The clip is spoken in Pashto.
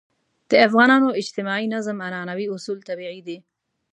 د افغانانو اجتماعي نظم عنعنوي اصول طبیعي دي.